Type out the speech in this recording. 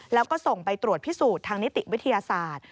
แล้วก็ส่งไปตรวจพิสูจน์ทางนิติวิทยาศาสตร์